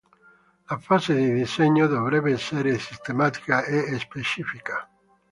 La fase di disegno dovrebbe essere sistematica e specifica.